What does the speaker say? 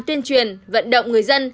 tuyên truyền vận động người dân